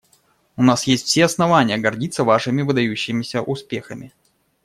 У нас есть все основания гордиться Вашими выдающимися успехами.